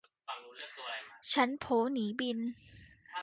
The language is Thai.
ฉันโผ หนี บิน